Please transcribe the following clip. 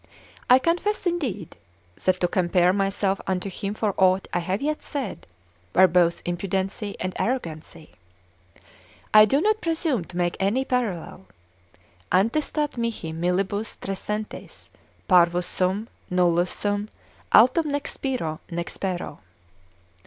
I confess, indeed, that to compare myself unto him for aught I have yet said, were both impudency and arrogancy. I do not presume to make any parallel, Antistat mihi millibus trecentis, parvus sum, nullus sum, altum nec spiro, nec spero.